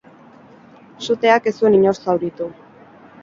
Suteak ez zuen inor zauritu.